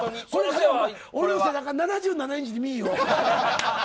俺の背中７７インチに見える。